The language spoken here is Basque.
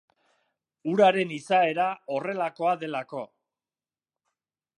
Uraren izaera horre lakoa delako.